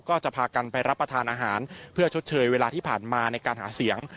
ก็จะพากันไปรับประทานอาหารเพื่อชดเชยเวลาที่ผ่านมาในการหาเสียง